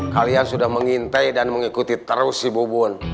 kalian sudah mengintai dan mengikuti terus si bubun